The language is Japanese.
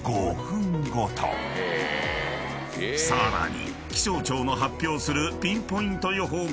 ［さらに］